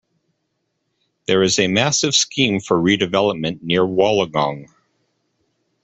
There is a massive scheme for redevelopment near Wollongong.